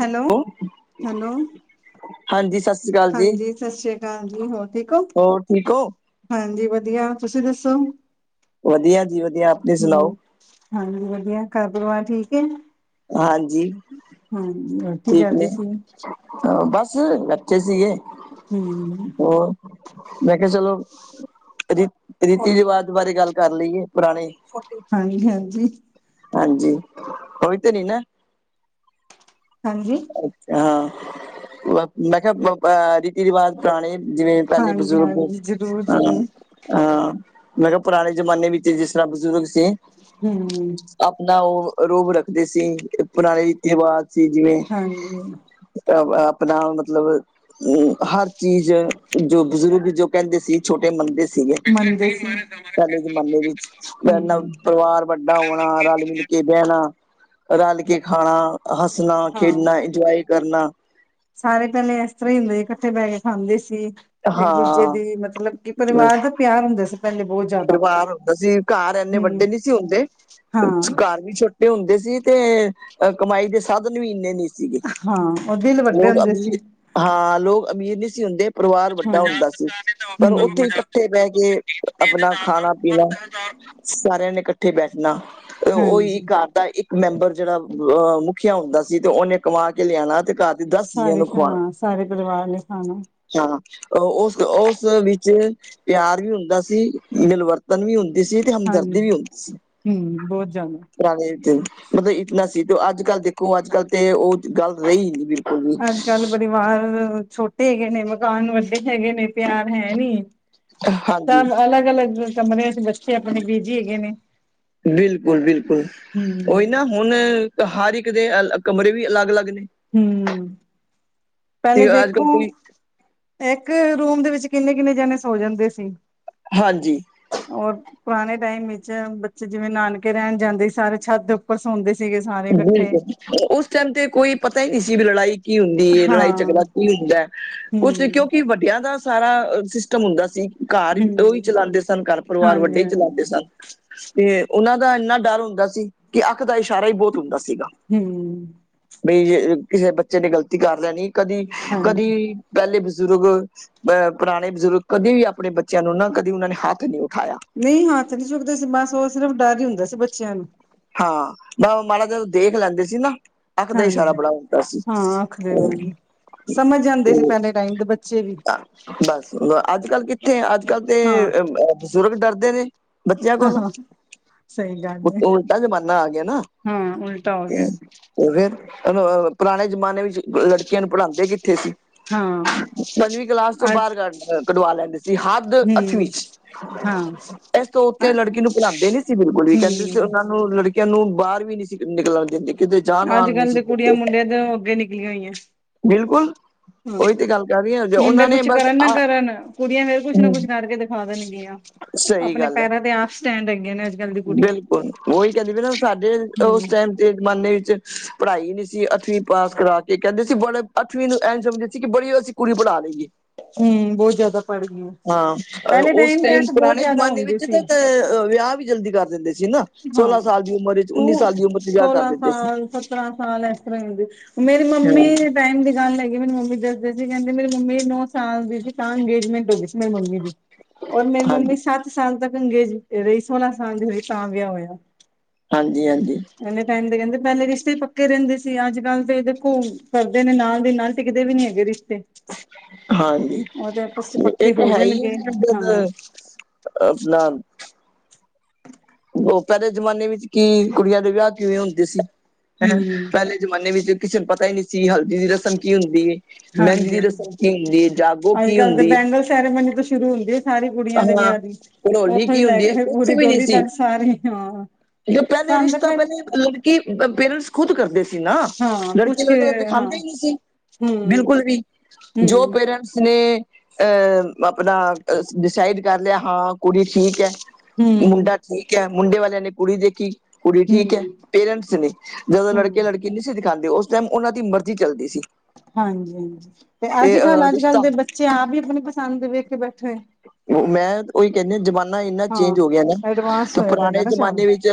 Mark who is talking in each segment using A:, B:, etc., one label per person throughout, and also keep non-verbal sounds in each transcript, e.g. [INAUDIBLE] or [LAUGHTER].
A: Hello hello?
B: ਹਾਂਜੀ ਸਤਿ ਸ੍ਰੀ ਅਕਾਲ ਜੀ
A: ਹਾਂਜੀ, ਸਤਿ ਸ੍ਰੀ ਅਕਾਲ ਜੀ, ਹੋਰ ਠੀਕ ਹੋ?
B: ਹੋਰ ਠੀਕ ਹੋ
A: ਹਾਂਜੀ ਵਧੀਆ, ਤੁਸੀਂ ਦੱਸੋ?
B: ਵਧੀਆ, ਜੀ ਵਧੀਆ, ਆਪਣੀ
A: ਹਮ
B: ਸੁਣਾਓ?
A: ਹਾਂਜੀ, ਵਧੀਆ ਘਰ ਪਰਿਵਾਰ ਠੀਕ ਹੈ?
B: ਹਾਂਜੀ,
A: ਹਾਂਜੀ ਹੋਰ ਕੀ
B: ਠੀਕ
A: ਕਰ
B: ਨੇ
A: ਰਹੇ ਸੀ
B: ਹ ਬਸ, ਬੱਚੇ ਸੀਗੇ
A: ਹੁ
B: ਹੋਰ ਮੈ ਕਿਆਂ, ਚਲੋ? ਰ ਰੀਤੀ ਰਿਵਾਜ, ਬਾਰੇ ਗੱਲ ਕਰ ਲਈਏ, ਪੁਰਾਣੇ
A: ਹਾਂਜੀ ਹਾਂਜੀ
B: ਹਾਂਜੀ, ਕੋਈ ਤੇ ਨਈ ਨਾ
A: ਹਾਂਜੀ?
B: ਹਾਂ ਮੈਂ ਕਿਹਾ? ਏ ਰਿਵਾਜ਼ ਪੁਰਾਣੇ, ਜਿਵੇਂ ਪਹਿਲੇ
A: ਹਾਂਜੀ
B: ਬਜ਼ੁਰਗ ਅ
A: ਹਾਂਜੀ ਜ਼ਰੂਰ ਜ਼ਰੂਰ
B: ਹਾਂ, ਮੈਂ ਕਿਹਾ ਪੁਰਾਣੇ ਜ਼ਮਾਨੇ ਵਿੱਚ, ਜਿਸ ਤਰ੍ਹਾਂ ਬਜ਼ੁਰਗ ਸੀ।
A: ਹੂ।
B: ਆਪਣਾ ਉਹ ਰੌਬ, ਰੱਖਦੇ ਸੀ। ਪੁਰਾਣੇ ਰੀਤੀ ਰਿਵਾਜ ਸੀ। ਜਿਵੇਂ
A: ਹਾਂਜੀ,
B: ਅ ਆਪਣਾ ਮਤਲਬ ਹਰ ਚੀਜ਼ ਜੋ ਬਜ਼ੁਰਗ, ਜੋ ਕਹਿੰਦੇ ਸੀ ਛੋਟੇ ਮੰਨਦੇਸੀ। ਸੀਗੇ,
A: ਮੰਨਦੇ ਸੀ
B: ਪਹਿਲੇ ਜ਼ਮਾਨੇ ਵਿੱਚ, ਏਨਾ
A: ਹਮ
B: ਪਰਿਵਾਰ ਵੱਡਾ ਹੋਣਾ, ਰਲ ਮਿਲ ਕੇ ਬਹਿਣਾ ਰਲ ਕੇ ਖਾਣਾ ਹੱਸਣਾ
A: ਹਾਂ
B: ਖੇਡਣਾ, ਇੰਜੋਏ ਕਰਨਾ
A: ਸਾਰੇ, ਪਹਿਲੇ ਇਸ ਤਰ੍ਹਾਂ ਹੀ ਹੁੰਦੇ ਸੀ, ਇਕੱਠੇ ਬਹਿ ਕੇ ਖਾਂਦੇ ਸੀ। ਇੱਕ ਦੂਜੇ
B: ਹਾਂ
A: ਦੀ ਮਤਲਬ ਕਿ, ਪਰਿਵਾਰ ਦਾ ਪਿਆਰ ਹੁੰਦਾ ਸੀ,, ਪਹਿਲੇ ਬਹੁਤ ਜ਼ਿਆਦਾ
B: ਪਰਿਵਾਰ ਹੁੰਦਾ ਸੀ, ਘਰ ਇੰਨੇ
A: ਹਮ
B: ਵੱਡੇ ਨਹੀਂ ਸੀ ਹੁੰਦੇ,
A: ਹਾਂ
B: ਘਰ ਵੀ ਛੋਟੇ ਤੇ ਹੁੰਦੇ ਸੀ ਤੇ, ਅ ਕਮਾਈ ਦੇ ਸਾਧਨ ਵੀ ਇੰਨੇ ਨਹੀਂ ਸੀ।
A: ਹਾਂ ਉਹ ਦਿਲ ਵੱਡੇ
B: ਲੋਕ
A: ਹੁੰਦੇ ਸੀ
B: ਅਮੀਰ, ਹਾਂ ਲੋਕ ਅਮੀਰ ਨਹੀਂ ਸੀ। ਹੁੰਦੇ ਪਰਿਵਾਰ, ਵੱਡਾ ਹੁੰਦਾ ਸੀ। ਪਰ ਉੱਥੇ ਇਕੱਠੇ ਬਹਿ ਕੇ ਆਪਣਾ, ਖਾਣਾ ਪੀਣਾ ਸਾਰਿਆਂ ਨੇ ਇਕੱਠੇ ਬੈਠਣਾ, ਉਹੀ
A: ਹਾਂਜੀ
B: ਕਾ ਤਾਂ ਇੱਕ ਮੈਂਬਰ, ਜਿਹੜਾ ਮੁਖੀਆਂ ਹੁੰਦਾ ਸੀ। ਤੇ ਉਹਨੇ ਕਮਾ ਕੇ ਲਿਆਣਾ, ਤੇ ਘਰ ਦੇ ਦਸ ਜੀਆਂ
A: ਸਾਰੇ
B: ਨੂੰ ਖਵਾਣਾ
A: ਹਾਂ, ਸਾਰੇ ਪਰਿਵਾਰ ਨੇ ਖਾਣਾ
B: ਹਾਂ ਉਸ ਉਸ ਵਿੱਚ ਪਿਆਰ ਵੀ ਹੁੰਦਾ ਸੀ। ਮਿਲਵਰਤ ਤਗੀ ਹੁੰਦੀ ਸੀ ਤੇ,
A: ਹਾਂਜੀ
B: ਹਮਦਰਦੀ ਵੀ ਹੁੰਦੀ ਸੀ।
A: ਹਮ ਬਹੁਤ ਜ਼ਿਆਦਾ
B: ਘਰਾ ਵਿੱਚ ਮਤਲਬ ਇਤਨਾ ਸੀ ਤੇ ਅੱਜਕੱਲ ਦੇਖੋ ਅੱਜਕੱਲ ਤੇ ਉਹ ਗੱਲ ਰਹੀ ਨਈ।
A: ਅੱਜਕੱਲ ਪਰਿਵਾਰ ਛੋਟੇ ਹੈਗੇ ਨੇ, ਮਕਾਨ ਵੱਡੇ ਹੈਗੇ ਨੇ ਪਿਆਰ ਹੈ ਨਈ, ਤਾਂ
B: ਹਾਂਜੀ
A: ਅਲੱਗ ਅਲੱਗ ਕਮਰਿਆਂ ਚ ਬੱਚੇ, ਆਪਣੇ ਬੀਜੀ ਹੈਗੇ ਨੇ
B: ਬਿਲਕੁਲ- ਬਿਲਕੁਲ
A: ਹਮ
B: ਓਈ ਨਾ ਹੁਨ ਹਰ ਇੱਕ ਦੇ ਕਮਰੇ ਵੀ ਅਲੱਗ-ਅਲੱਗ ਨੇ।
A: ਹੂੰ। ਪਹਿਲੇ
B: ਤੇ ਅੱਜ
A: ਦੇਖੋ
B: ਕੱਲ ਕੋਈ
A: ਇਕ ਰੂਮ ਦੇ ਵਿੱਚ ਕਿੰਨੇ-ਕਿੰਨੇ ਜਾਨੇ ਸੋ ਜਾਂਦੇ ਸੀ।
B: ਹਾਂਜੀ।
A: ਔਰ ਪੁਰਾਨੇ ਟਾਈਮ ਵਿੱਚ ਬੱਚੇ ਜਿਵੇਂ ਨਾਨਕੇ ਰੈਨ ਜਾਂਦੇ ਸੀ, ਸਾਰੇ ਛੱਤ ਦੇ ਉਪ ਉਪਰ ਸੋਂਦੇ ਸੀਗੇ ਸਾਰੇ ਇਕੱਠੇ।
B: ਬਿਲਕੁਲ ਉਸ ਟਾਈਮ ਤੇ ਕੋਈ ਪਤਾ ਈ ਨੀ ਸੀ ਲੜਾਈ ਕੀ ਹੁੰਦੀ ਏ,
A: ਹਾਂ
B: ਲੜਾਈ-ਝਗੜਾ
A: ਹੂੰ
B: ਕੀ ਹੁੰਦੈ? ਕੁਝ ਕਿਉਂਕਿ ਵੱਡਿਆਂ ਦਾ ਸਾਰਾ ਸਿਸਟਮ ਹੁੰਦਾ ਸੀ। ਘਰ ਓਈ
A: ਹੂੰ
B: ਚਲਾਉਂਦੇ ਸਨ, ਘਰ ਪਰਿਵਾਰ
A: ਹਾਂਜੀ
B: ਵੱਡੇ ਈ
A: ਹਾਂਜੀ
B: ਚਲਾਂਦੇ ਸਨ। ਤੇ ਓਨਾਂ ਦਾ ਏਨਾ ਡਰ ਹੁੰਦਾ ਸੀ ਕਿ ਅੱਖ ਦਾ ਇਸ਼ਾਰਾ ਹੀ ਬੋਤ ਹੁੰਦਾ ਸੀਗਾ।
A: ਹੂੰ।
B: ਬਈ ਜੇ ਕਿਸੇ ਬੱਚੇ ਨੇ ਗ਼ਲਤੀ ਕਰ ਲੈਨੀ ਕਦੀ,
A: ਹਾਂਜੀ
B: ਕਦੀ ਪੈਲੇ ਬਜ਼ੁਰਗ ਅਹ ਪੁਰਾਨੇ ਬਜ਼ੁਰਗ ਕਦੇ ਵੀ ਆਪਨੇ ਬਚਿਆਂ ਨੂੰ ਨਾ ਕਦੀ ਉਨਾਂ ਨੇ ਹੱਥ ਨੀ ਉਠਾਇਆ।
A: ਨਈ ਹੱਥ ਨੀ ਚੁਕਦੇ ਸੀ, ਬਸ ਓ ਸਿਰਫ ਡੱਰ ਈ ਹੁੰਦਾ ਸੀ ਬਚਿਆਂ ਨੂੰ
B: ਹਾਂ, ਬਸ ਉਹ ਮਾੜਾ ਜਾਹਾ ਦੇਖ ਲੈਂਦੇ ਸੀ ਨਾ ਅੱਖ ਦਾ ਇਸ਼ਾਰਾ
A: ਹਾਂਜੀ
B: ਬੜਾ ਹੁੰਦਾ ਸੀ।
A: ਹਾਂ ਅੱਖ ਦੇ ਨਾਲ ਸਮਝ ਜਾਂਦੇ ਸੀ
B: ਤੇ
A: ਪਹਿਲੇ ਟਾਈਮ ਦੇ ਬੱਚੇ ਵੀ
B: ਬੱਸ ਅੱਜ-ਕੱਲ ਕਿੱਥੇ ਅੱਜ ਅੱਜ-ਕੱਲ
A: ਹਾਂ
B: ਤੇ ਬਜ਼ੁਰਗ ਡਰਦੇ ਨੇ ਬਚਿਆ ਕੋਲੋਂ
A: ਹਾਂ ਸਹੀ ਗੱਲ ਹੈ
B: ਆ ਜ਼ਮਾਨਾ ਆ ਗਿਆ ਨਾ।
A: ਹਾਂ ਉਲਟਾ ਹੋ ਗਿਆ
B: ਤੇ ਫੇਰ ਪੁਰਾਨੇ ਜਮਾਨੇ ਵਿੱਚ ਲੜਕੀਆਂ ਨੂੰ ਪੜਾਂਦੇ ਕਿਥੇ ਕਿਥੇ ਸੀ।
A: ਹਾਂ
B: ਪੰਜਵੀਂ ਕਲਾਸ ਚੋ ਬਾਰ
A: ਅੱਜ
B: ਕੱਢ ਕਢਵਾ ਲੈਂਦੇ ਸੀ। ਹੱਦ
A: ਹੂੰ
B: ਅੱਠਵੀਂ ਚ
A: ਹਾਂ ਹੂੰ
B: ਐਸ ਤੋ ਉੱਤੇ ਲੜਕੀ ਨੂੰ ਪੜਾਂਦੇ ਨੀ ਸੀ ਬਿਲਕੁਲ ਵੀ ਕੇ ਦੇ ਸੀ ਹੋਰ ਲੜਕੀਆਂ ਨੂੰ ਬਾਰ ਵੀ ਨੀ ਸੀ ਨਿਕਲਨ ਦੇਂਦੇ।
A: ਅੱਜ-ਕੱਲ ਦੇ ਕੁੜੀਆਂ ਮੁੰਡਇਆ ਤੋਂ ਅੱਗੇ ਨਿਕਲੀਆਂ ਹੋਈਐਂ।
B: ਬਿਲਕੁਲ।
A: ਹਾਂ,
B: ਉਹੀ ਤੇ ਗੱਲ ਕਰ ਰਹੀ ਹਾਂ
A: ਮੁੰਡੇ
B: ਉਹਨਾਂ ਨੇ
A: ਕੁੱਛ
B: ਬਸ
A: ਕਰਨ ਨਾ
B: ਆ
A: ਕਰਨ ਕੁੜੀਆਂ ਫੇਰ ਕੁਛ ਨਾ
B: ਹਮ
A: ਕੁਛ ਕਰਕੇ ਦਿਖਾ ਦੇਨਗੀਆਂ।
B: ਸਹੀ
A: ਅਪਨੇ
B: ਗੱਲ ਹੈ
A: ਪੈਰਾਂ ਤੇ ਆਪ ਸਟੈਂਡ ਹੈਗੀਆਂ ਨੇ ਅੱਜ ਕੱਲ੍ਹ ਦੀ ਕੁੜੀਆਂ।
B: ਬਿਲਕੁਲ, ਓਈ ਕੈਂਦੀ ਵੀ ਨਾ ਸਾਡੇ
A: ਹੂੰ
B: ਉਸ ਟਾਈਮ ਜਮਾਨੇ ਇੱਚ ਪੜਾਈ ਨੀ ਸੀ, ਅੱਠਵੀ ਪਾਸ ਕਰਾ ਕੇ ਕੈਂਦੇ ਸੀ ਬੜੇ, ਅੱਠਵੀ ਨੂੰ ਐਂਜ ਸਮਝਦੇ ਸੀ ਕਿ ਬੜੀ ਅਸੀ ਕੁੜੀ ਪੜਾ ਲਈਏ।
A: ਹੂੰ ਬਹੁਤ ਜ਼ਿਆਦਾ ਪੜ ਗਈਆਂ
B: ਹਾਂ,
A: ਪਹਿਲੇ
B: ਓਸ
A: ਤੇ
B: ਟਾਈਮ
A: ਅੱਕ ਬਹੁਤ
B: ਪੁਰਾਨੇ
A: ਜ਼ਿਆਦਾ
B: ਜ਼ਮਾਨੇ
A: ਹੁੰਦੀ
B: ਵਿੱਚ
A: ਸੀ।
B: ਤੇ ਤੇ ਵਿਆ ਜਲਦੀ ਕਰ ਦਿੰਦੇ ਸੀ ਨਾ,
A: ਹਾਂ
B: ਸੋਲਾਂ ਸਾਲ ਦੀ ਉਮਰ ਉੱਨੀ
A: ਹੁਣ
B: ਸਾਲ ਦੀ ਉਮਰ ਚ ਵਿਆਹ ਕਰ
A: ਸੋਲਾਂ
B: ਦਿੰਦੇ ਸੀ।
A: ਸਾਲ ਸਾਲ ਇਸ ਤਰਾਂ ਹੁੰਦੀ ਮੇਰੀ
B: ਹਮ
A: ਮੰਮੀ ਟਾਈਮ ਦੀ ਗੱਲ ਹੈਗੀ ਏ ਮੇਰੀ ਮੰਮੀ ਜੱਦ ਕੈਂਦੀ ਮੇਰੀ ਮੰਮੀ ਨੌ ਸਾਲ ਦੀ ਸੀ ਤਾਂ ਅੰਗੇਜਮੈਂਟ ਹੋਗੀ ਸੀ ਮੇਰੀ ਮੰਮੀ ਦੀ। ਔਰ ਮੇਰੀ
B: ਹਾਂਜੀ
A: ਮੰਮੀ ਸੱਤ ਸਾਲ ਤੱਕ ਅੰਗੇਜ ਰਈ ਸੋਲਾਂ ਸਾਲ ਦੀ ਹੋਈ ਤਾਂ ਵਿਆਹ ਹੋਇਆ।
B: ਹਾਂਜੀ -ਹਾਂਜੀ।
A: ਏਨੇ ਟਾਈਮ ਦੇ ਕੈਂਦੇ ਪੈਲੇ ਰਿਸ਼ਤੇ ਈ ਪੱਕੇ ਰੈਂਦੇ ਸੀ ਅੱਜਕੱਲ ਤੇ ਦੇਖੋ ਕਰਦੇ ਨੇ ਨਾਲ ਦੀ ਨਾਲ ਟਿਕਦੇ ਵੀ ਨੀ ਹੈਗੇ ਰਿਸ਼ਤੇ।
B: ਹਾਂਜੀ।
A: ਉਹ ਤੇ ਆਪਸ ਚ
B: ਏ
A: ਪੱਕੇ
B: ਤੇ
A: ਹੋ
B: ਹੈਈਏ,
A: ਜਾਣਗੇ ਹਾਂ ਹੂੰ
B: ਜੱਦ [INAUDIBLE] ਓਹ ਪੈਲੇ ਜ਼ਮਾਨੇ ਵਿੱਚ ਕੀ ਕੁੜੀਆਂ ਦੇ ਵਿਆਹ ਕਿਵੇਂ ਹੁੰਦੇ ਸੀ ਹੈਂ ਪੇਲੇ ਜ਼ਮਾਨੇ ਵਿੱਚ ਕਿਸੇ ਨੂੰ ਪਤਾ ਈ ਨੀ ਸੀ ਹਲਦੀ ਦੀ ਰਸਮ ਕੀ ਹੁੰਦੀ ਏ। ਮੈਂਦੀ
A: ਹਾਂਜੀ
B: ਦੀ
A: ਹਾਂਜੀ,
B: ਰਸਮ ਕੀ ਹੂੰਦੀ ਏ ਜਾਗੋ
A: ਅੱਜ
B: ਕੀ
A: ਕੱਲ ਤੇ
B: ਹੁੰਦੀ ਏ।
A: ਬੈਂਗਲ ਸੈਰੇਮਨੀ ਤੋਂ ਸ਼ੁਰੂ ਹੁੰਦੀ ਏ। ਸਾਰੀ ਕੁੜੀਆਂ ਦੇ
B: ਹਾਂ
A: ਵਿਆਹ ਦੀ
B: ਘੜੋਲੀ
A: ਓੱਥੋਂ ਦੀ
B: ਕੀ ਹੁੰਦੀ
A: ਲੈਕੇ
B: ਹੈ
A: ਫੇਰ ਪੂਰੀ ਡੋਲੀ ਤੱਕ ਸਾਰੀ ਹਾਂ।
B: ਜੇ ਪੈਲੇ
A: ਸਾਨੂੰ ਤਾਂ
B: ਰਿਸ਼ਤਾ,
A: ਪਹਿਲ
B: ਪੈਲੇ ਲੜਕੀ ਪੇਰੈਂਟਸ ਖੁਦ ਕਰਦੇ ਸੀ ਨਾ
A: ਹਾਂ ਪੁੱਛ
B: ਲੜਕੀ
A: ਕੇ
B: [UNINTELLIGIBLE]
A: ਹਾਂ
B: ਦਿਖਾਂਦੇ ਈ ਨੀ ਸੀ
A: ਹੂੰ
B: ਬਿਲਕੁਲ ਵੀ ਜੋ
A: ਹੂੰ
B: ਪੇਰੈਂਟਸ ਨੇ ਅ ਆਪਨਾ ਡਿਸਾਈਡ ਕਰ ਲੇਯਾ, ਹਾਂ ਕੁੜੀ ਠੀਕ ਐ,
A: ਹੂੰ
B: ਮੁੰਡਾ ਠੀਕ ਹੈ ਮੁੰਡੇ ਵਾਲਿਆਂ ਨੇ ਕੁੜੀ ਦੇਖੀ ਕੁੜੀ ਠੀਕ ਹੈ
A: ਹੂੰ
B: ਪੇਰੈਂਟਸ ਨੇ ਜਦੋਂ ਲੜਕੇ
A: ਹੂੰ
B: ਲੜਕੇ ਕਿ ਨਹੀਂ ਸੀ ਦਿਖਾਉਂਦੇ ਉਸ ਟਾਈਮ ਉਹਨਾਂ ਦੀ ਮਰਜ਼ੀ ਚੱਲਦੀ ਸੀ
A: ਹਾਂਜੀ ਹਾਂਜੀ ਤੇ ਅੱਜ
B: ਅਹ
A: ਕੱਲ੍ਹ ਅੱਜ ਕੱਲ
B: ਰਿਸ਼ਤਾ
A: ਦੇ ਬੱਚੇ ਆਪ ਹੀ ਆਪਣੀ ਪਸੰਦ ਵੇਖ ਕੇ ਬੈਠੇ
B: ਮੈਂ ਉਹੀ ਕਹਿੰਦੀ ਜ਼ਮਾਨਾ ਇੰਨਾ
A: ਹਾਂ
B: ਚੇਂਜ ਹੋ ਗਿਆ ਨਾ
A: ਐਡਵਾਂਸ
B: ਤੇ
A: ਹੋਇਆ ਦਾ ਹੈਗਾ
B: ਪੁਰਾਣੇ
A: ਨਾ ਸ਼ਾਮ
B: ਜਮਾਨੇ ਵਿੱਚ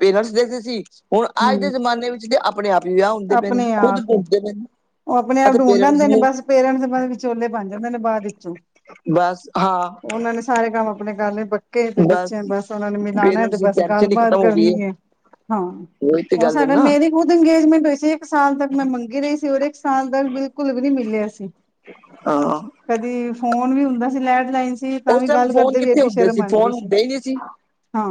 B: ਪੇਰੈਂਟਸ ਦੇਖਦੇ ਸੀ ਹੁਣ ਅੱਜ ਦੇ
A: ਹਮ
B: ਜਮਾਨੇ ਵਿੱਚ ਆਪਣੇ ਆਪ ਹੀ ਵਿਆਹ ਹੁੰਦੇ ਪਏ ਨੇ
A: ਆਪਣੇ
B: ਖੁਦ
A: ਆਪ ਹੀ
B: ਘੁੰਮਦੇ ਪਏ ਨੇ
A: ਉਹ ਆਪਣੇ
B: ਅਤੇ
A: ਆਪ [UNINTELLIGIBLE]
B: ਪੇਰੈਂਟਸ
A: ਜਾਂਦੇ ਨੇ
B: ਨੂੰ
A: ਬਸ ਪੇਰੈਂਟਸ ਬ ਦੇ ਵਿਚੋਲੇ ਬਣ ਜਾਂਦੇ ਨੇ ਬਾਅਦ ਵਿੱਚੋਂ
B: ਬਸ ਹਾਂ
A: ਉਹਨਾਂ ਨੇ ਸਾਰੇ ਕੰਮ ਆਪਣੇ ਕਰ ਲਏ ਬ ਪੇ ਤੇ ਬੱਚੇ ਬਸ ਉਹਨਾ ਨੇ ਮਿਲਾਣਾ ਤੇ
B: ਪੇਰੈਂਟਸ ਦੀ
A: ਬਸ
B: ਟੈਨਸ਼ਨ ਹੀ
A: ਗੱਲਬਾਤ
B: ਖਤਮ ਹੋ ਗਈ
A: ਕਰਨੀ
B: ਹੈ
A: ਏ ਹਾਂ
B: ਉਹੀ ਤੇ
A: ਉਹ
B: ਗੱਲ ਹੈ
A: ਸਾਡਾ
B: ਨਾ
A: ਮੇਰੇ ਕੋਲ ਇੰਗੇਜਮੈਂਟ ਹੋਈ ਸੀ ਇੱਕ ਸਾਲ ਤੱਕ ਮੈਂ ਮੰਗੀ ਰਹੀ ਸੀ ਰ ਇੱਕ ਸਾਲ ਤੱਕ ਬਿਲਕੁਲ ਵੀ ਨਹੀਂੀ ਮਿਲਿਆ ਸੀ
B: ਹਾਂ
A: ਕਦੀ ਫੋਨ ਵੀ ਹੁੰਦਾ ਸੀ ਲੈਂਡਲਾਈਨ ਸੀ ਤਾਂ
B: ਉਸ
A: ਵੀ
B: ਟਾਈਮ
A: ਗੱਲ
B: ਫੋਨ
A: ਕਰਦੇ ਵੀ
B: ਕਿੱਥੇ
A: ਏਡੀ
B: ਹੁੰਦੇ
A: ਸ਼ਰਮ ਆਉਂਦੀ
B: ਫੋਨ
A: ਸੀ
B: ਹੁੰਦੇ
A: ਹਾਂ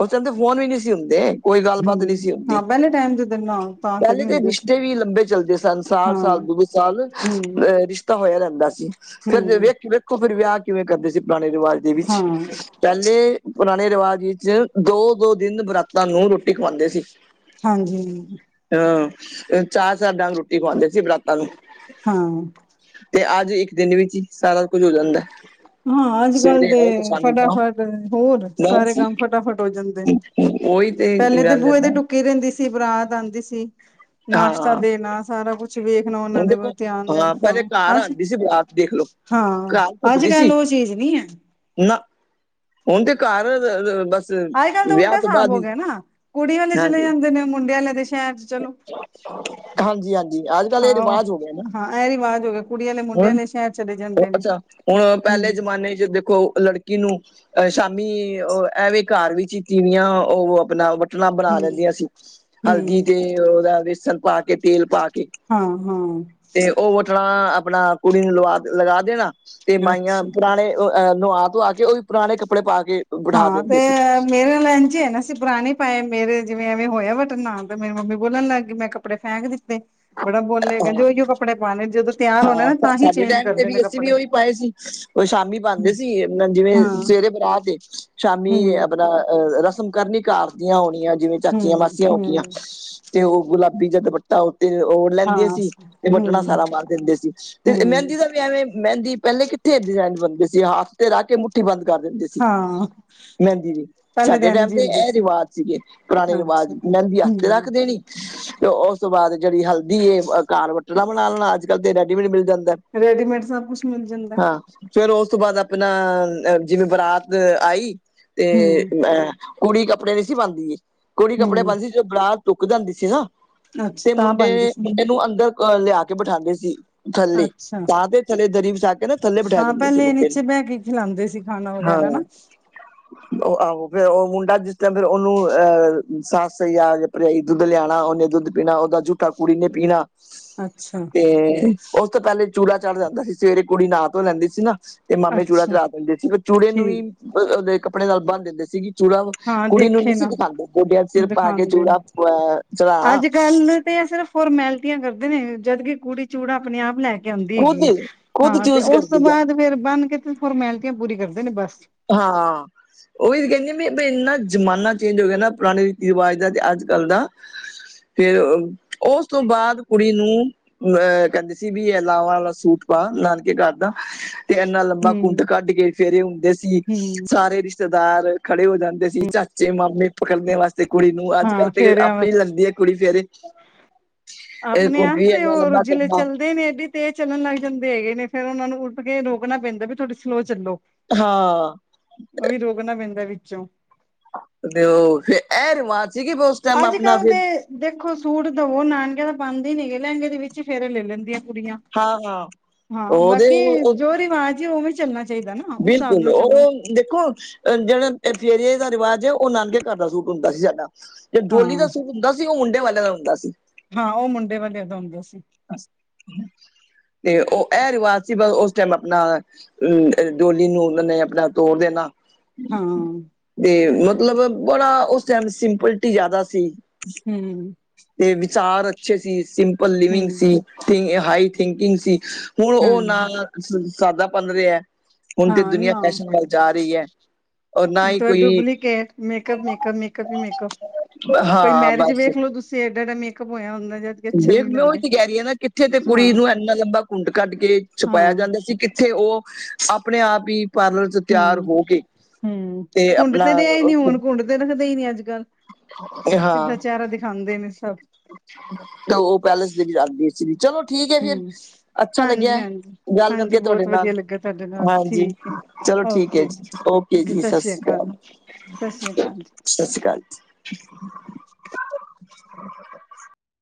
B: ਉਹ ਚੰਦੇ ਫੋਨ ਵੀ ਨਹੀਂ ਸੀ ਹੁੰਦੇ ਕੋਈ ਗੱਲਬਾਤ ਨਹੀਂ
A: ਹਮ
B: ਸੀ
A: ਹਾਂ
B: ਹੁੰਦੀ
A: ਪਹਿਲੇ ਟਾਈਮ ਜਦੋਂ ਨਾ ਤੇ
B: ਪਹਿਲੇ
A: ਨੀ
B: ਤਾਂ
A: ਹੁੰਦੇ ਸੀ
B: ਰਿਸ਼ਤੇ ਵੀ ਲੰਬੇ ਚੱਲਦੇ ਸਨ ਸਾਲ
A: ਹਾਂ
B: ਸਾਲ ਦੂ ਸਾਲ
A: ਹਮ
B: ਅ ਰਿਸ਼ਤਾ ਹੋਇਆ ਰਹਿੰਦਾ ਸੀ ਫਿਰ ਜ
A: ਹਮ
B: ਵੇਖ ਦੇਖੋ ਫਿਰ ਵਿਆਹ ਕਿਵੇਂ ਕਰਦੇ ਸੀ ਪੁਰਾਣੇ ਰਿਵਾਜ ਦੇ ਵਿੱਚ
A: ਹਾਂ,
B: ਪਹਿਲੇ ਪੁਰਾਣੇ ਰਿਵਾਜ ਵਿੱਚ ਦੋ ਦੋ ਦਿਨ ਬਰਾਤਾਂ ਨੂੰ ਰੋਟੀ ਖਵਾਉਂਦੇ ਸੀ
A: ਹਾਂਜੀ
B: ਹਾਂ ਚਾਹ ਸਾਬ ਡਾਂਗ ਰੋਟੀ ਖਵਾਉਂਦੇ ਸੀ ਬਰਾਤਾਂ ਨੂੰ
A: ਹਾਂ
B: ਤੇ ਅੱਜ ਇੱਕ ਦਿਨ ਵਿੱਚ ਹੀ ਸਾਰਾ ਕੁੱਝ ਹੋ ਜਾਂਦਾ
A: ਹਾਂ ਅੱਜ ਕੱਲ
B: ਸਵੇਰੇ
A: ਤੇ
B: ਆਓ ਸ਼ਾਮੀ ਜਾਓ
A: ਫਟਾਫਟ ਹੋਰ
B: ਬਸ
A: ਸਾਰੇ ਕੰਮ ਫਟਾਫਟ ਹੋ ਜਾਂਦੇ
B: ਉਹੀ
A: ਪਹਿਲੇ ਤੇ
B: ਗੱਲ ਹੈ
A: ਬੂਹੇ ਤੇ
B: ਨਾ
A: ਟੁੱਕੀ ਰਹਿੰਦੀ ਸੀ ਬਰਾਤ ਆਉਂਦੀ ਸੀ ਨਾਸ਼ਤਾ
B: ਹਾਂ
A: ਦੇਣਾ ਸਾਰਾ ਕੁੱਛ ਵੇਖਣਾ ਉਹਨਾਂ
B: ਹੁਣ
A: ਦੇ
B: ਦੇਖੋ
A: ਧਿਆਨ ਦੇਣ ਹਾਂ
B: ਪਹਿਲੇ ਘਰ
A: ਅੱਜ ਹਾਂ
B: ਦੀ ਸੀ
A: ਅੱਜ-ਕੱਲ ਉਹ ਚੀਜ਼ ਨੀ ਐ।
B: ਨਾ ਹੁਣ ਤੇ ਘਰ ਬਸ
A: ਅੱਜ ਕੱਲ੍ਹ ਤਾਂ ਉਲਟਾ
B: ਵਿਆਹ ਤੋਂ
A: ਹਿਸਾਬ
B: ਬਾਅਦ
A: ਹੋ
B: ਹੀ
A: ਗਿਆ ਨਾ ਕੁੜੀ ਵਾਲੇ ਚਲੇ
B: ਹਾਂਜੀ
A: ਜਾਂਦੇ ਨੇ ਮੁੰਡੇ ਵਾਲੇ ਦੇ ਸ਼ਹਿਰ ਚਲੋ।
B: ਹਾਂਜੀ ਹਾਂਜੀ ਅੱਜ ਕੱਲ ਇਹ
A: ਹਾਂ,
B: ਰਿਵਾਜ ਹੋ ਗਿਆ ਨਾ
A: ਹਾਂ ਇਹ ਰਿਵਾਜ਼ ਹੋ ਗਿਆ, ਕੁੜੀ ਆਲੇ ਮੁੰਡੇ ਆਲੇ ਸ਼ਹਿਰ ਚਲੇ ਜਾਂਦੇ ਨੇ।
B: ਅੱਛਾ ਹੁਣ ਪਹਿਲੇ
A: ਹੂੰ,
B: ਜਮਾਨੇ ਚ ਦੇਖੋ ਲੜਕੇ ਕਿੀ ਨੂੰੂੰ ਅਹ ਸ਼ਾਮੀ ਉਹ ਐਵੇਂ ਘਰ ਵੀਤੀਵੀਆਂ ਉਹ ਆਪਣਾ ਵਟਣਾ ਬਣਾ
A: ਹੂੰ,
B: ਲੈਂਦੀਆਂ ਸੀ ਹਲਦੀ
A: ਹੂੰ,
B: ਤੇ ਉਹਦਾ ਬੇਸਣ ਪਾ ਕੇ ਤੇਲ ਪਾ ਕੇ
A: ਹਾਂ ਹਾਂ
B: ਤੇ ਉਹ ਵਟਲ ਆਪਣਾ ਕੁੜੀ ਨੂੰ ਲਵਾ ਲਗਾ ਦੇਣਾ ਤੇ ਮਾਈਆਂ
A: ਅੱਛਾ।
B: ਪੁਰਾਣੇ ਅਹ ਨੁਹਾ ਧਆ ਕੇ ਉਹ ਵੀ ਪੁਰਾਣੇ ਕੱਪੜੇ ਪਾ ਕੇ ਬਿਠਾ
A: ਹਾਂ ਤੇ
B: ਦਿੰਦੇ ਸੀ
A: ਮੇਰੇ [UNINTELLIGIBLE] ਹੈ ਨਾ ਪੁਰਾਣੇ ਪਾਏ ਮੇਰੇ ਜਿਵੇਂ ਐਵੇਂ ਹੋਇਆ ਵਟਨ ਨਾਲ ਤਾਂ ਮੇਰੀ ਮੰਮੀ ਬੋਲਣ ਲੱਗਗੀ ਮੈਂ ਕੱਪੜੇ ਫਕ ਦਿੱਤੇ ਬੜਾ ਬੋਲੇਿਆ
B: ਹਾਂ
A: ਕਹਿੰਦੇ ਉਹੀਓ ਕੱਪੜੇ ਪਾਉਣੇ ਜਦੋਂ ਤਿਆਰ ਹੋਣੇ
B: ਹਾਂ
A: ਨਾ ਤਾਂ ਹੀ
B: ਸਾਡੇ
A: ਚੇਂਜ
B: ਟਾਈਮ ਤੇ
A: ਕਰਨੇ
B: ਵੀ
A: ਨੇ
B: ਅਸੀਂ ਵੀ
A: ਕੱਪੜੇ
B: ਉਹੀ ਪਾਏ ਸੀ ਉਹ ਸ਼ਾਮੀ ਪਾਉਂਦੇ
A: ਹਾਂ
B: ਸੀ ਜਿਵੇਂ
A: ਹੂੰ
B: ਸਵੇਰੇ ਬਰਾ ਤੇ
A: ਹੂੰ
B: ਸ਼ਾਮੀ ਆਪਣਾ ਅਹ ਰਸਮ ਕਰਨੀ [UNINTELLIGIBLE] ਆਣੀਆਂ ਜਿਵੇਂ ਚਾਚੀਆਂ
A: ਹੂੰ
B: ਮਾਸੀਆਂ ਹੋ ਗਆਂ ਤੇ ਉਹ ਗੁਲਾਬੀ ਜਾਂ ਦੁਪੱਟਾ ਉੱਤੇ ਉਹ ਲੈਂਦੀਆਂ
A: ਹਾਂ
B: ਸੀ ਤੇ ਬਟਣਾ
A: ਹੂੰ
B: ਸਾਰਾ ਬਰ ਤੇ
A: ਹੂੰ
B: ਮਹਿੰਦੀ ਦਾ ਵੀ ਐਵੇਂ ਮਹਿੰ ਪਹਿਲੇ ਕਿੱਥੇ ਡਿਜ਼ਾਇਨ ਬਣਦੇ ਸੀ ਹਾਥ ਤੇ ਰ ਕੇ ਮੁੱਠੀ ਬੰਦ ਕਰ ਦਿੰਦੇ ਸੀ
A: ਹਾਂ
B: ਮਹਿੰਦੀ ਵੀ
A: ਪਹਿਲੇ
B: ਸਾਡੇ
A: ਤਾਂ ਇੰਝ
B: ਟਾਈਮ
A: ਹੀ
B: ਤੇ
A: ਹੁੰਦੇ
B: ਇਹ
A: ਸੀ
B: ਰਿਵਾਜ ਸੀਗੇ ਪੁਰਾਣੇ ਰਿਵਾਜ਼
A: ਅੱਛਾ
B: ਮੈਂਦੀ ਹੱਥ ਤੇ ਰੱਖ
A: ਹੂੰ
B: ਦੇਣੀ ਤੇ ਉਸ ਤੋਂ ਬਾਅਦ ਜਿਹੜੀ ਹਲਦੀ ਕਾਰ ਬੱਟਣਾ ਬਣਾ ਲੈਣਾ ਅੱਜ ਕਲ੍ਹ ਤੇ ਰੈਡੀਮੇਡ ਮਿਲ ਜਾਂਦਾ
A: ਰੇਡੀਮੇਡ ਸਭ ਕੁੱਛ ਮਿਲ ਜਾਂਦਾ
B: ਫਿਰ ਉਸ ਤੋਂ ਬਾਅਦ ਆਪਣਾ ਜਿਵੇਂ ਬਰਾਤ ਆਈ ਤੇ
A: ਹੂੰ
B: ਅਹ ਕੁੜੀ ਕੱਪੜੇ ਨੀ ਸੀ ਪਾਉਂਦੀ ਕੁੜੀ ਕੱਪੜੇ
A: ਹੂੰ
B: ਪਾਉਂਦੀ ਸੀ ਜਦੋਂ ਬਰਾ ਢੁੱਕ ਜਾਂਦੀ ਸੀ ਨਾ
A: ਅੱਛਾ
B: ਤੇ
A: ਤਾਂ
B: ਮੁੰਡੇ
A: ਬਣਦੀ ਸੀ
B: ਮੁੰਡੇ ਨੂੰ ਅੰਦਰ ਅਹ ਲਿਆ ਕੇ ਬਿਠਾਉਂਦੇ ਸੀ ਥੱਲੇ
A: ਅੱਛਾ
B: ਤਾਂ ਤੇ ਥੱਲੇ ਦਰੀ ਵਿਛਾ ਕੇ ਨਾ ਥੱਲੇ ਬਿਠਾ
A: ਹਾਂ
B: ਦਿੰਦੇ ਸੀ
A: ਪਹਿਲੇ
B: ਮੁੰਡੇ ਨੂੰ
A: ਨੀਚੇ ਬਹਿ ਕੇ ਖਿਲਾਂਦੇ ਸੀ ਖਾਣਾ
B: ਹਾਂ
A: ਵਗੈਰਾ ਨਾ
B: [UNINTELLIGIBLE] [INAUDIBLE] ਉਹ ਆਹੋ ਫਿਰ ਉਹ ਮੁੰਡਾ ਜਿਸ ਤਰ ਫਿਰ ਉਹ ਨੂੰਹ ਸੱਸ ਸਹੀ ਆ ਭਰਜਾਈ ਦੁੱਧ ਲਿਆਣਾ ਉਹਨੇ ਦੁੱਧ ਬਿਨਾਂ ਉਹਦਾ ਜੂਠਾ ਕੁੜੀ ਨੇ ਪੀਣਾ
A: ਅੱਛਾ
B: ਤੇ ਉਸ ਤੋਂ ਪਹਿਲੇ ਚੂੜਾ ਚੜ੍ਹ ਜਾਂਦਾ ਸੀ ਸਵੇਰੇ ਕੁੜੀ ਨਹਾ ਧੋਹ ਲੈਂਦੀ ਸੀ ਨਾ ਤੇ ਮਾਮੇ ਚੂੜਾ
A: ਅੱਛਾ
B: ਚੜਾ ਦਿੰਦੇ ਸੀ ਪਰ ਚੂੜੇ ਨੂੰ
A: ਠੀਕ
B: ਹੀ ਕੱਪੜੇ ਨਾਲ ਬੰਨ ਦਿੰਦੇ ਸੀਗੇ ਚੂੜਾ
A: ਹਾਂ
B: ਕੁੜੀ ਨੂੰ ਨਹੀਂ
A: ਦੇਖੇ
B: ਸੀ
A: ਨਾ
B: ਦਿਖਾਦੇ ਗੋਡਿਆਂ ਸਿਰ ਪਾ ਕੇ
A: ਦਿਖਾਂਦੇ
B: ਚੂੜਾ
A: ਨੇ
B: ਅ ਚੜ੍ਹਾਉਣਾ
A: ਅੱਜ ਕੱਲ ਤੇ ਸਿਰਫ ਫੋਰਮੈਲਿਟੀਆਂ ਕਰਦੇ ਨੇ ਜਦਕ ਕੁੜੀ ਚੂੜਾ ਆਪਣੇ ਆਪ ਲੈ ਕੇ ਆਉਂਦੀ
B: ਖੁਦ
A: ਹੈਗੀ ਹੈ
B: ਖੁਦ
A: ਹਾਂ ਤੇ
B: ਚੂਜ
A: ਉਸ ਤੋਂ
B: ਕਰਦੀ ਹੈ
A: ਬਾਅਦ ਫੇਿਰ ਬੰਨ ਕੇ ਤੇ ਫੋਰਮੈਲਿਟੀਆਂ ਪੂਰੀ ਕਰਦੇ ਨੇ ਬਸ
B: ਹਾਂ ਉਹੀ ਕਹਿੰਦੀ ਵੀ ਇੰਨਾ ਜ਼ਮਾਨਾ ਚੇਂਜ ਹੋ ਗਿਆ ਨਾ ਪੁਰਾਣੇ ਰੀਤੀ ਰਿਵਾਜ ਦਾ ਤੇ ਅੱਜ ਕੱਲ੍ਹ ਦਾ ਫੇਿਰ ਉਸ ਤੋਂ ਬਾਅਦ ਕੁੜੀ ਨੂੰ ਅਹ ਕਹਿੰਦੇ ਸੀ ਵੀ ਇਹ ਲਾਵਾਂ ਵਾਲਾ ਸੂਟ ਪਾ ਨਾਨਕੇ ਘਰ ਦਾ ਤੇ ਇੰਨਾ ਲੰਮਾ
A: ਹੂੰ
B: ਕੁੰਟ ਕੱਢ ਕੇ ਫੇਰੇ ਹੁੰਦੇ ਸੀ
A: ਹੂੰ
B: ਸਾਰੇ ਰਿਸ਼ਤੇਦਾਰ ਖੜੇ ਹੋ ਜਾਂਦੇ ਸੀ ਚਾਚੇ ਮਾਮੇ ਪਕੜਦੇ ਵਾਸਤੇ ਕੁੜੀ ਨੂੰ ਅੱਜ ਕੱਲ
A: ਹਾਂ
B: ਤੇ
A: ਫੇਰਿਆਂ ਵ
B: ਆਪੇ ਲੈਂਦੀ ਹੈ ਕੁੜੀ ਫੇਰ
A: ਆਪਣੇ ਆਪ ਤੇ ਹੋ ਰੁਜਲੇ ਚੱਲਦੇ ਨੇ ਐਡੇ ਤੇ ਚੱਲਣ ਲੱਗ ਜਾਂਦੇ ਹੈਗੇ ਨੇ ਫੇਿਰ ਉਹਨਾਂ ਨੂੰ ਉੱਠ ਕੇ ਰੋਕਣਾ ਪੈਂਦਾ ਵੀ ਥੋੜ੍ਹੀ ਸਲੋ ਚੱਲੋ
B: ਹਾਂ
A: ਣਾ ਪੈਂਦਾ ਵਿੱਚੋਂ
B: ਤੇ ਉਹ ਫ ਇਹ ਰਿਵਾਜ਼ ਸੀਗੀ ਬਸ
A: ਅੱਜ ਕਲ ਦੇ ਦੇਖੋ ਸੂਟ ਦਵੋ ਨਾਨਕੇ ਤਾਂ ਪਾਉਂਦੇ ਹੀ ਨੀ ਗ ਲਹਿੰਗੇ ਦੇ ਵਿੱਚ ਫੇਰ ਲੈ ਲੈਂਦੀਆਂ ਕੁੜੀਆਂ
B: ਹਾਂ ਹਾਂ
A: ਹਾਂ
B: ਉਹਦੇ
A: ਬਾਕੀ
B: ਉਹ
A: ਜੋ ਰਿਵਾਜ਼ ਉਹ ਵੀ ਚੱਲਣਾ ਚਾਹੀਦਾ ਨਾ ਉਸ ਹਿਸਾਬ
B: ਬਿਲਕੁਲ
A: ਨਾਲ ਚੱਲੋ
B: ਉਹ ਦੇਖੋ ਜਿਹੜਾ ਫੇਰੀਏ ਦਾ ਰਿਵਾਜ਼ ਹੈ ਉਹ ਨਾਨਕੇ ਘਰ ਦਾ ਸੂਟ ਹੁੰਦਾ ਸੀ ਸਾਡਾ ਜ
A: ਹਾਂ
B: ਡੋਲੀ ਦਾ ਸੂਟ ਹੁੰਦਾ ਸੀ ਉਹ ਉਂਡੇ ਵਾਲਿਆਂ ਦਾ ਹੁੰਦਾ ਸੀ
A: ਹਾਂ ਉਹ ਮੁੰਡੇ ਵਾਲੇਆਂ ਦਾ ਹੁੰਦਾ ਸੀ
B: ਤੇ ਉਹ ਇਹ ਰਿਵਾਜ਼ ਸੀ ਬ ਉਸ ਟਾਈਮ ਆਪਣਾ ਅਮ ਡੋਲੀ ਨੂੰ ਉਹ ਨੇ ਆਪਣਾ ਤੋਰ ਦੇਣਾ
A: ਹਾਂ
B: ਤੇ ਮਤਲਬ ਬੜਾ ਉਸ ਟਾਈਮ ਸਿੰਪਲਿਟੀ ਜ਼ਿਆਦਾ ਸੀ
A: ਹਮ
B: ਤੇ ਵਿਚਾਰ ਅੱਛੇ ਸੀ ਸਿੰਪਲ ਲਿਵਿੰਗ
A: ਹੂੰ
B: ਸੀ ਹਾਈ ਥਿੰਕਿੰਗ ਸੀ ਹੁਣ ਉਹ ਨਾ
A: ਹਾਂਜੀ
B: ਸਾਦਾ ਭਨ ਰਿਹਾ ਹੁਣ ਤੇ
A: ਹਾਂ
B: ਦੁਨੀਆਂ
A: ਨਾ
B: ਫੈਸ਼ਨ ਵੱਲ ਜਾ ਰਹੀ ਹੈ ਔਰ ਨਾ ਹੀ ਕੋਈ
A: ਡੁਪਲੀਕੇਟ ਮੇਕਅਪ ਮੇਕਅਪ ਮੇਕਅਪ ਹੀ ਮੇਕਅਪ ਕੋਈ
B: ਹਾਂ
A: ਮੈਰਿਜ
B: ਬਸ
A: ਵੇਖ ਲੋ ਤੁਸੀਂ ਡਾ ਐਡਾ ਮੇਕਅਪ ਹੋਇਆ ਹੁੰਦਾ ਜਾਂ
B: ਦੇਖ ਮੈਂ ਉਹੀ ਤੇ ਕਹਿ ਰਹੀ ਹਾਂ ਨਾ ਕਿੱਥੇ ਤੇ ਕੁੜੀ
A: ਹਾਂ
B: ਨੂੰ ਇੰਨਾ ਲੰਬਾ ਘੁੰਟ ਕੱਢ ਕੇ
A: ਹਾਂ
B: ਛਪਾਇਆ ਜਾਂਦਾ ਸੀ ਇੱਥੇ ਉਹ ਆਪਣੇ ਆਪ ਹੀ ਪਾਰਲਰ ਚ ਤਿਆਰ
A: ਹਮ
B: ਹੋ ਕੇ
A: ਹਮ ਕੁੰਡ ਤੇ ਰਿਹਾ ਹੀ ਨੀ ਹੁਣ ਕੁੰਡ ਤੇ ਰੱਖਦੇ ਹੀ ਨੀ ਅੱਜ ਕੱਲ
B: ਹਾਂ
A: ਸਿੱਧਾ ਚਿਹਰਾ ਦਿਖਾਉਂਦੇ ਨੇ ਸਭ
B: ਤੇ ਉਹ ਪੈਲੇਸ ਦੇ ਵਿੱਚ ਆਦੀ ਚਲੋ ਠੀਕ ਹੈ
A: ਹੂੰ
B: ਫਿਰ ਅੱਛਾ
A: ਹਾਂਜੀ
B: ਲੱਗਿਆ
A: ਹਾਂਜੀ
B: ਗੱਲ
A: ਹਾਂਜੀ
B: ਕਰਕੇ ਤੁਹਾਡੇ
A: ਬਹੁਤ
B: ਨਾਲ
A: ਵਧੀਆ ਲੱਗਾ ਤੁਹਾਡੇ ਨਾਲ
B: ਹਾਂਜੀ
A: ਠੀਕ ਹੈ
B: ਚਲੋ ਠੀਕ ਹੈ ਜੀ। ਓਕੇ ਜੀ ਸਤਿ ਸ੍ਰੀ ਅਕਾਲ।
A: ਸਤਿ ਸ੍ਰੀ ਅਕਾਲ
B: ਸਤਿ ਸ਼੍ਰੀ ਅਕਾਲ। [UNINTELLIGIBLE]